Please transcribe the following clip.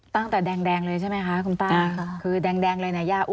ตั้งแต่แดงเลยใช่ไหมคะคุณป้าคือแดงเลยเนี่ยย่าอุ่มมาเลยแหละ